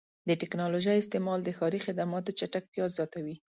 د ټکنالوژۍ استعمال د ښاري خدماتو چټکتیا زیاتوي.